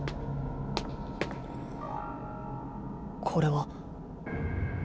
これは？